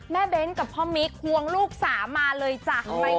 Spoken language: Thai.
เบ้นกับพ่อมิ๊กควงลูกสามาเลยจ้ะ